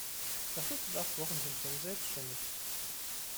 Nach fünf bis acht Wochen sind die Jungen selbständig.